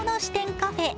カフェ。